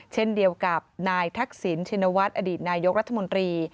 เช่นเดียวกับนายทักษิณชินวัฒน์อดีตนายกรัฐมนตรี